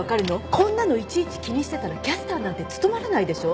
こんなのいちいち気にしてたらキャスターなんて務まらないでしょう？